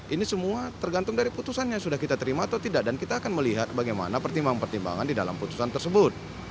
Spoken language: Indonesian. ini semua tergantung dari putusan yang sudah kita terima atau tidak dan kita akan melihat bagaimana pertimbangan pertimbangan di dalam putusan tersebut